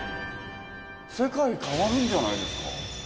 世界変わるんじゃないですか？